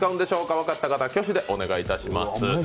分かった方、挙手お願いします。